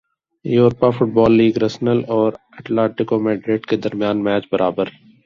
Europa football league Arsenal اور Atletico Madrid کے درمیان میچ برابر